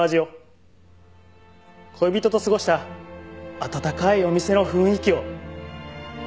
恋人と過ごした温かいお店の雰囲気を。